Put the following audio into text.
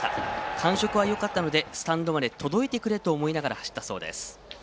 感触はよかったのでスタンドまで届いてくれと思いながら走ったそうです。